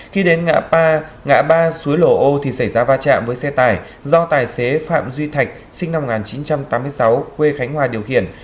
khi đến ngã ba ngã ba suối lổ ô thì xảy ra va chạm với xe tải do tài xế phạm duy thạch sinh năm một nghìn chín trăm tám mươi sáu quê khánh hòa điều khiển